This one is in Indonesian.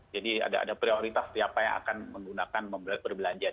jadi ada prioritas siapa yang akan menggunakan berbelanja dan sebagainya